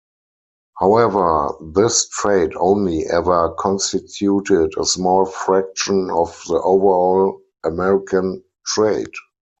However, this trade only ever constituted a small fraction of the overall American trade.